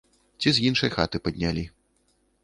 Ці з іншай хаты паднялі.